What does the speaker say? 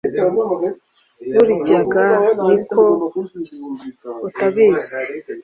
burya ga ni uko utabizi